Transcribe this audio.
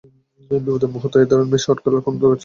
বিপদের মুহূর্তে তাঁর এ ধরণের শট খেলার কোনো দরকার ছিল না।